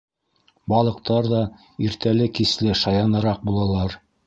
Балыҡтар ҙа иртәле-кисле шаяныраҡ булалар.